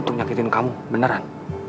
untuk nyakitin kamu beneran